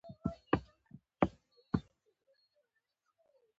صفراوي مایع شحمیات حلوي.